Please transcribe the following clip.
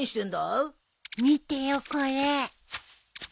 見てよこれ。